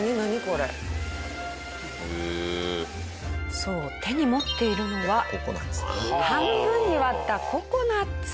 そう手に持っているのは半分に割ったココナッツ。